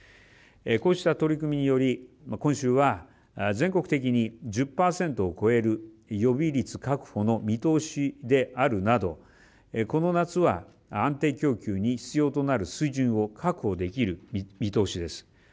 こうした取り組みにより今週は、全国的に１０％を超える予備率確保の見通しであるなどこの夏は安定供給に必要となる水準を確保できる見通しです。